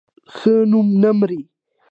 ښه نوم نه مري